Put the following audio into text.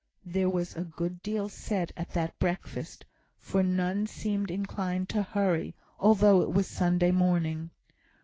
There was a good deal said at that breakfast, for none seemed inclined to hurry, although it was Sunday morning.